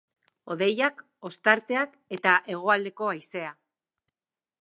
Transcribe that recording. Hodeiak, ostarteak eta hegoaldeko haizea.